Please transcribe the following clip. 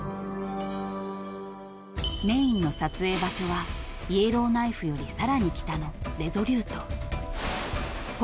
［メインの撮影場所はイエローナイフよりさらに北のレゾリュート］